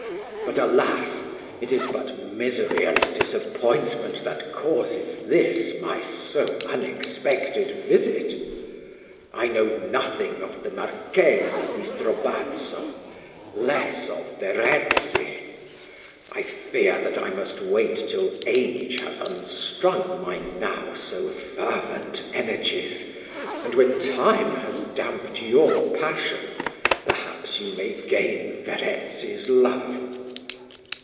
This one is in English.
but, alas! it is but misery and disappointment that causes this my so unexpected visit. I know nothing of the Marchesa di Strobazzo less of Verezzi. I fear that I must wait till age has unstrung my now so fervent energies; and when time has damped your passion, perhaps you may gain Verezzi's love.